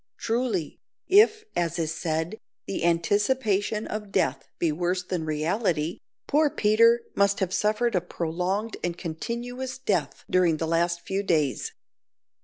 Truly, if, as is said, the anticipation of death be worse than the reality, poor Peter must have suffered a prolonged and continuous death during the last few days.